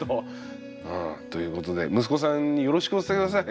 ということで息子さんによろしくお伝え下さい。